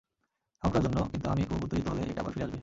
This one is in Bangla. এখনকার জন্য, কিন্তু আমি খুব উত্তেজিত হলে, এটা আবার ফিরে আসবে।